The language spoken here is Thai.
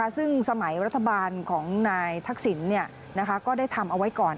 ซึ่งสมัยรัฐบาลของนายทักษิณก็ได้ทำเอาไว้ก่อน